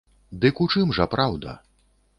Дык у чым жа праўда?